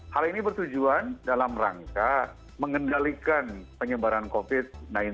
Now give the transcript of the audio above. hal ini bertujuan dalam rangka mengendalikan penyebaran covid sembilan belas